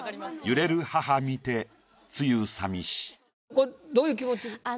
これどういう気持ちで？